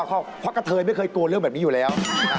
เพราะกะเทยไม่เคยกลัวเรื่องแบบนี้อยู่แล้ว